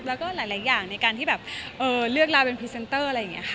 แล้วก็หลายอย่างในการที่แบบเลือกเราเป็นพรีเซนเตอร์อะไรอย่างนี้ค่ะ